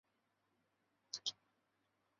一切国家与中国的贸易机会均等。